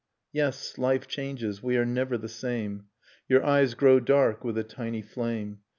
Yes, life changes, we are never the same ... Your eyes grow dark with a tiny flame.